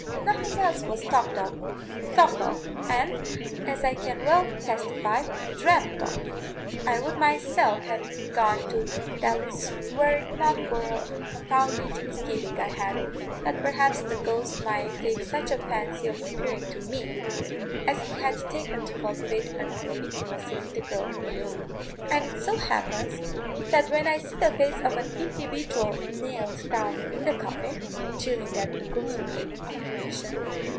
Nothing else was talked of, thought of, and, as I can well testify, dreamt of. I would myself have gone to Daly's were it not for a confounded misgiving I had, that perhaps the ghost might take such a fancy of appearing to me, as he had taken to cultivate an intimacy with the girl; and it so happens, that when I see the face of an individual nailed down in the coffin chilling and gloomy operation!